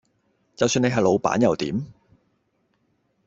就算你係老闆又點